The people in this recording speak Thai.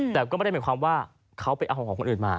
แต่ก็ไม่ได้หมายความว่าเขาไปเอาของคนอื่นมา